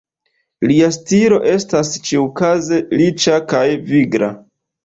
Lia stilo estas, ĉiukaze, riĉa kaj vigla.